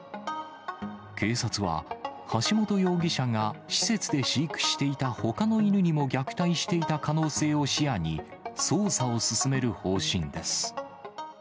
警察は、橋本容疑者が施設で飼育していたほかの犬にも虐待していた可能性を視野に、捜査を進める方針です。